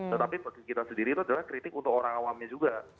tetapi bagi kita sendiri itu adalah kritik untuk orang awamnya juga